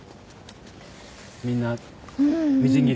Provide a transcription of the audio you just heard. みんなみじん切り？